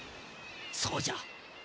そうじゃ。